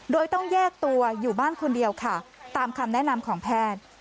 โดยต้องแยกตัวอยู่บ้านคนเดียวค่ะตามคำแนะนำของแพทย์